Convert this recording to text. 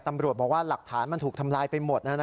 ตำรวจบอกว่าหลักฐานมันถูกทำลายไปหมด